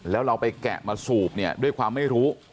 แล้วเราไปแกะมาสูบเนี่ยด้วยความไม่รู้